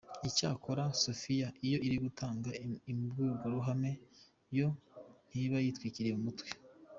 Icyakora Sophia iyo iri gutanga imbwurwaruhame yo ntiba yitwikiriye mu mutwe.